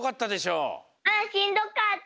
うんしんどかった！